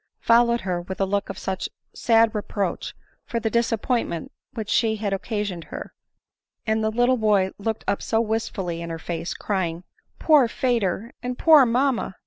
lowed her with a look of such sad reproach for the dis appointment which she had occasioned her, and the little boy looked up so wistfully in her face, crying, " Poor fader, and poor mamma